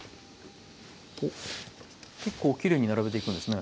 結構きれいに並べていくんですね。